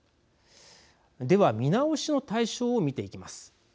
では、見直しの対象を見ていきます。